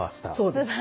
そうです。